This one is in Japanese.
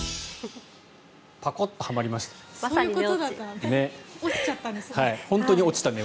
パコッとはまりましたね。